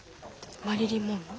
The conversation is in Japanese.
マリリン・モンロー？